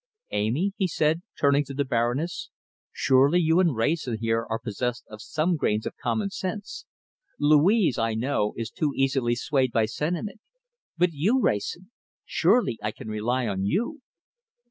"Amy," he said, turning to the Baroness, "surely you and Wrayson here are possessed of some grains of common sense. Louise, I know, is too easily swayed by sentiment. But you, Wrayson! Surely I can rely on you!"